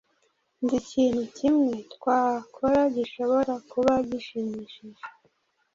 nzi ikintu kimwe twakora gishobora kuba gishimishije